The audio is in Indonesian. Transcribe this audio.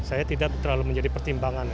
saya tidak terlalu menjadi pertimbangan